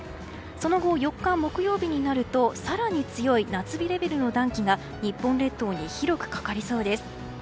その後、４日木曜日になると更に強い夏日レベルの暖気が日本列島に広くかかりそうです。